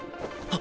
あ。